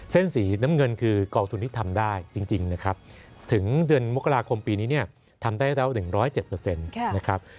เส้นสีน้ำเงินคือกองทุนที่ทำได้จริงนะครับถึงเดือนมกราคมปีนี้เนี่ยทำได้แล้ว๑๐๗นะครับ